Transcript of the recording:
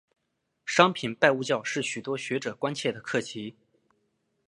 商品拜物教是许多学者关切的课题。